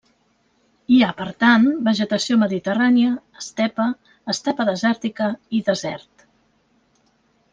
Hi ha per tant vegetació mediterrània, estepa, estepa desèrtica i desert.